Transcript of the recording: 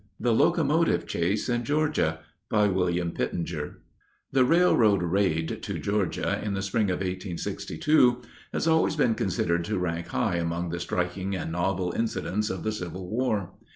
THE LOCOMOTIVE CHASE IN GEORGIA BY WILLIAM PITTENGER The railroad raid to Georgia, in the spring of 1862, has always been considered to rank high among the striking and novel incidents of the civil war.